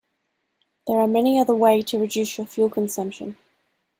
There are many other way to reduce your fuel consumption.